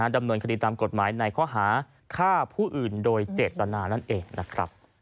ดำเนินคดีตามกฎหมายในข้อหาฆ่าผู้อื่นโดยเจตนานั่นเองนะครับ